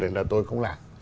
để là tôi không làm